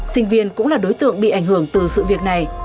sinh viên cũng là đối tượng bị ảnh hưởng từ sự việc này